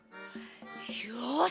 よし！